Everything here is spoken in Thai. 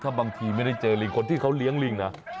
บางทีไม่ได้เจอลิงคนที่เขาเลี้ยงลิงนะ